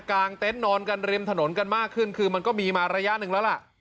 เต็นต์นอนกันริมถนนกันมากขึ้นคือมันก็มีมาระยะหนึ่งแล้วล่ะ